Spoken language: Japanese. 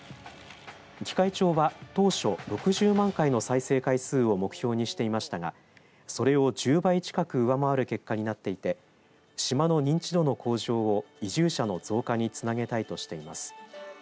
喜界町は当初６０万回の再生回数を目標にしていましたがそれを１０倍近く上回る結果になっていて島の認知度の向上を移住者の増加につなげたいとしています。